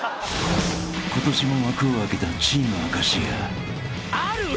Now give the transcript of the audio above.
［今年も幕を開けたチーム明石家］ある！